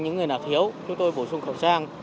những người nào thiếu chúng tôi bổ sung khẩu trang